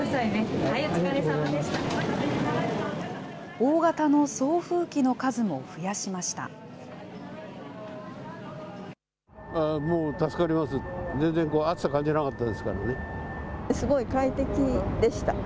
大型の送風機の数も増やしました。